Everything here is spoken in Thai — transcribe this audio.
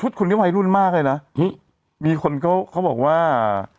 ชุดคุณนี้วัยรุ่นมากเลยนะมีคนเขาบอกว่า